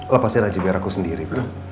lepasin aja biar aku sendiri